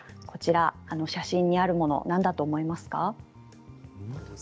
写真にあるもの何だと思いますか？